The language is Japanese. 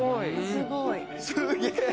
すげえ。